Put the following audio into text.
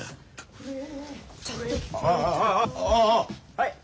はい。